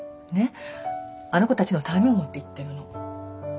あの子たちのためを思って言ってるの。